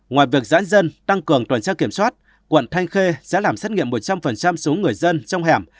ngoài việc giãn dân tăng cường tuần tra kiểm soát quận thanh khê sẽ làm xét nghiệm một trăm linh số người dân trong hẻm